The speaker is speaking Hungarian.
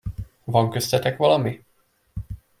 Van köztetek valami?